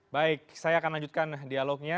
baik saya akan lanjutkan dialognya